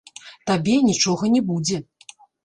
Табе нічога не будзе.